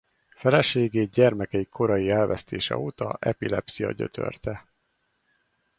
Feleségét gyermekeik korai elvesztése óta epilepszia gyötörte.